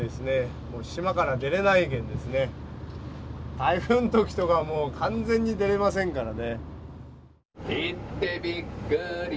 台風の時とかもう完全に出れませんからね。